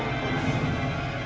aku akan menang